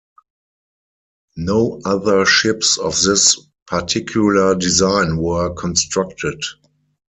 No other ships of this particular design were constructed.